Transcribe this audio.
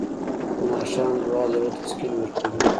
د ماښام دعا د زړه تسکین ورکوي.